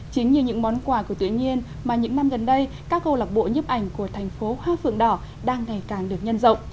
chính như những món quà của tự nhiên mà những năm gần đây các câu lạc bộ nhiếp ảnh của thành phố hoa phượng đỏ đang ngày càng được nhân rộng